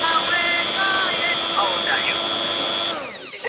Sera ya Serikali ya awamu ya nane ya kukuza Uchumi kupitia Bahari